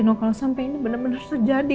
nuh kalau sampai ini bener bener terjadi